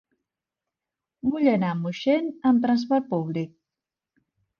Vull anar a Moixent amb transport públic.